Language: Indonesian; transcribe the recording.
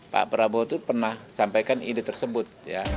pak prabowo itu pernah sampaikan ide tersebut